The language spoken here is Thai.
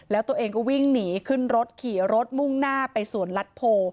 แล้วตัวเองก็วิ่งหนีขึ้นรถขี่รถมุ่งหน้าไปสวนลัดโพ